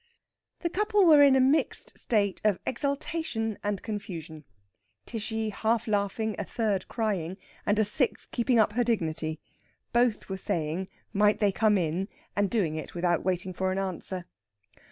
The couple were in a mixed state of exaltation and confusion Tishy half laughing, a third crying, and a sixth keeping up her dignity. Both were saying might they come in, and doing it without waiting for an answer.